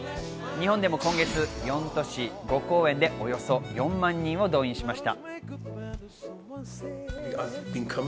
日本でも今月４都市５公演でおよそ４万人を動員しました。